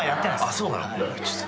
あっそうなの。